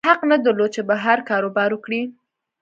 حق نه درلود چې بهر کاروبار وکړي.